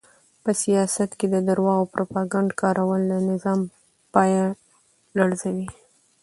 په سیاست کې د درواغو او پروپاګند کارول د نظام پایه لړزوي.